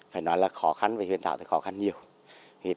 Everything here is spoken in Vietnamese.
phải nói là khó khăn về huyện đảo thì khó khăn nhiều